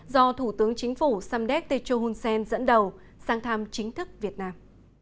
do thủ tướng chính phủ samdek techo hunsen dẫn đầu sang thăm chính thức việt nam